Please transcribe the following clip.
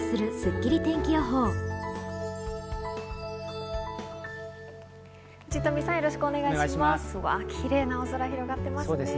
キレイな青空が広がってますね。